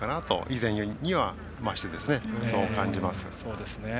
以前にも増してそう感じます。